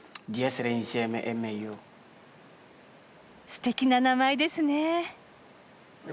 すてきな名前ですね。